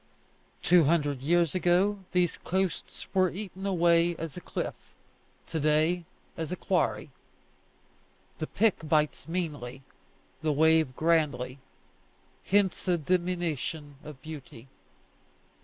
Two hundred years ago these coasts were eaten away as a cliff; to day, as a quarry. The pick bites meanly, the wave grandly; hence a diminution of beauty.